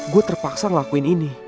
gue terpaksa ngelakuin ini